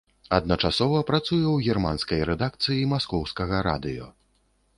Адначасова працуе ў германскай рэдакцыі маскоўскага радыё.